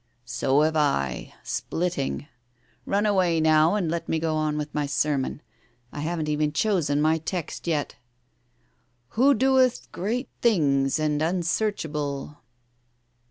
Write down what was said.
"So have I — splitting. Run away now, and let me go on with my sermon. I haven't even chosen my text yet. ...' Who doeth great things and unsearchable.